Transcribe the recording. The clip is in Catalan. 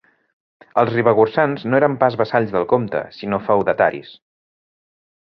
Els ribagorçans no eren pas vassalls del comte, sinó feudataris.